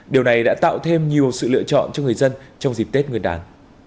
điều này đã tạo thêm nhiều sự lựa chọn cho người dân trong dịp tết nguyên đán